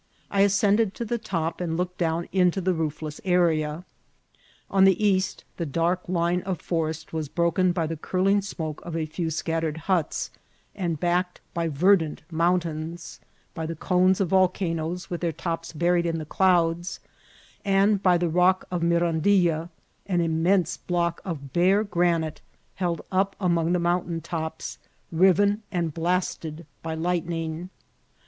I ascended to the top, and looked down into the roofless area. On the east the dark line of forest was broken by the curling smoke of a few scattered huts, and backed by verdant mountains, by the cones of vol canoes, with their tops buried in the clouds, and by the Bock of Mirandilla, an immense block of bare granite held up among the mountain tops, riven and blasted by lightning.